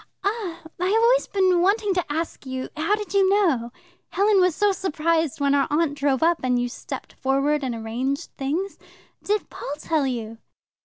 "Ah, I have always been wanting to ask you. How did you know? Helen was so surprised when our aunt drove up, and you stepped forward and arranged things. Did Paul tell you?"